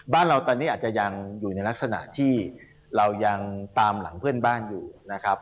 บ้านเราตอนนี้อาจจะยังอยู่ในลักษณะที่เรายังตามหลังเพื่อนบ้านอยู่นะครับ